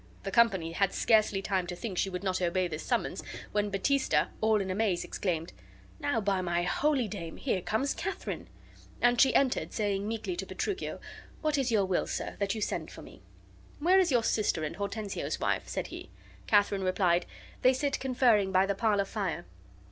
The company had scarcely time to think she would not obey this summons when Baptista, all in amaze, exclaimed: "Now, by my holidame, here comes Katharine!" And she entered, saying meekly to Petruchio, "What is your will, sir, that you send for me?" "Where is your sister and Hortensio's wife?" said he. Katharine replied, "They sit conferring by the parlor fire."